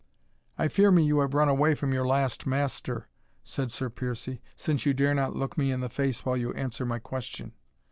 "I fear me you have run away from your last master," said Sir Piercie, "since you dare not look me in the face while you answer my question."